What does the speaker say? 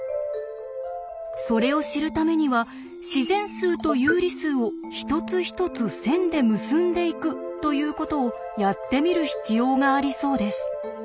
それを知るためには自然数と有理数を一つ一つ線で結んでいくということをやってみる必要がありそうです。